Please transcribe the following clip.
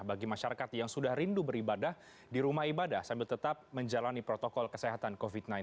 bagi masyarakat yang sudah rindu beribadah di rumah ibadah sambil tetap menjalani protokol kesehatan covid sembilan belas